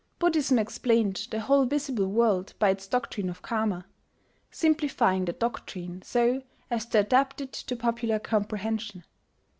Buddhism explained the whole visible world by its doctrine of Karma, simplifying that doctrine so as to adapt it to popular comprehension.